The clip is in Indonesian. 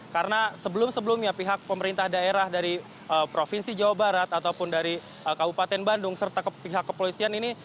karena sebelum sebelumnya pihak pemerintah daerah dari provinsi jawa barat ataupun dari kabupaten bandung serta pihak kepolisian ini